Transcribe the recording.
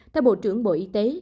theo bộ trưởng bộ y tế